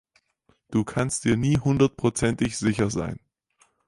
Du kannst dir nie hundertprozentig sicher sein.